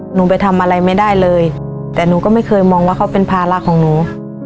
หนูไปทำอะไรไม่ได้เลยแต่หนูก็ไม่เคยมองว่าเขาเป็นภาระของหนู